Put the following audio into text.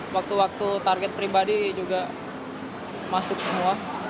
waktu waktu target pribadi juga masuk semua